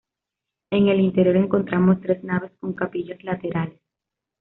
En el interior encontramos tres naves con capillas laterales.